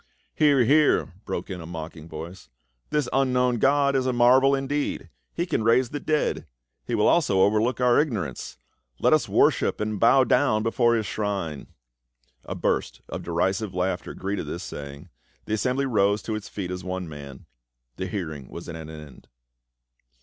"* "Hear, hear!" broke in a mocking voice. "This unknown god is a marvel indeed ! He can raise the dead ! He will also overlook our ignorance ! Let us worship and bow down before his shrine !" A burst of derisive laughter greeted thus saying. The assembly arose to its feet as one man ; the hear ing was at an end.